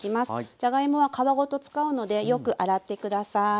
じゃがいもは皮ごと使うのでよく洗って下さい。